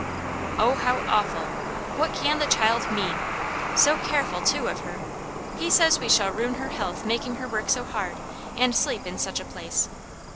Oh, how awful! What can the child mean? So careful, too, of her! He says we shall ruin her health making her work so hard, and sleep in such a place.